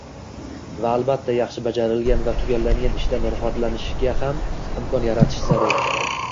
Va albatta, yaxshi bajarilgan va tugallangan ishdan rohatlanishga ham imkon yaratish zarur.